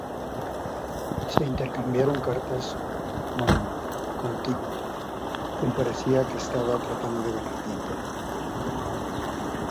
Se intercambiaron cartas con con Tipu, quien parecía que estaba tratando de ganar tiempo.